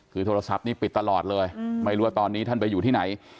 คือโทรศัพท์นี้ปิดตลอดเลยไม่รู้ว่าตอนนี้ท่านไปอยู่ที่ไหน